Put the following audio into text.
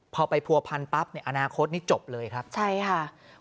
พอไปพันธุ์ปั๊บในอนาคตนี้จบเลยครับใช่ค่ะ